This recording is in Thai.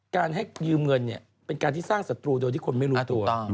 การให้ยืมเงินเนี่ยเป็นการที่สร้างศัตรูโดยที่คนไม่รู้ตัว